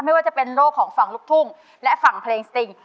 ไม่ว่าจะเป็นโรคของฝั่งลูกทุ่งและฝั่งเพลงสติง